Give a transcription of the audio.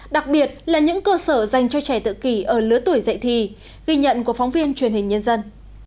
đặc biệt là những cơ sở dành cho trẻ tự kỷ ở lứa tuổi dạy thì ghi nhận của phóng viên truyền hình nhân dân